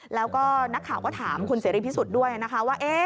แล้วก็นักข่าวก็ถามคุณเสรีพิสุทธิ์ด้วยนะคะว่า